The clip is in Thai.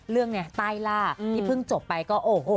เรื่องไงใต้ล่าที่เพิ่งจบไปก็โอ้โห